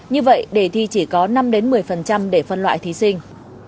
như vậy đề thi chỉ có năm một mươi để phân loại thí sinh